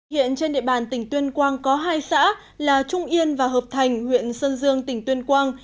hiện trên địa bàn tỉnh tuyên quang có hai xã là trung yên và hợp thành huyện sơn dương tỉnh tuyên quang